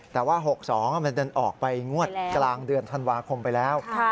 แต่ว่าหกสองอ่ะมันจะออกไปงวดกลางเดือนธันวาคมไปแล้วค่ะ